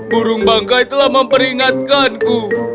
burung bangkai telah memperingatkanku